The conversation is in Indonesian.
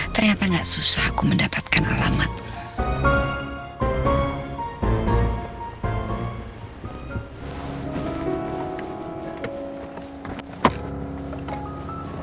ternyata gak susah aku mendapatkan alamatku